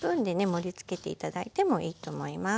盛りつけて頂いてもいいと思います。